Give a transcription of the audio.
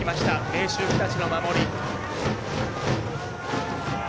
明秀日立の守り。